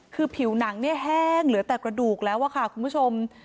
คือผิวหนังเนี่ยแห้งเหลือแต่กระดูกแล้วค่ะคุณผู้ชม